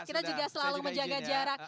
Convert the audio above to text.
kita juga selalu menjaga jarak